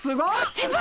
先輩